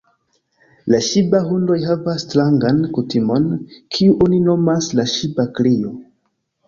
La ŝiba-hundoj havas strangan kutimon, kiu oni nomas la ŝiba-krio.